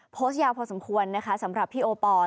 โพสต์ยาวพอสมควรนะคะสำหรับพี่โอปอล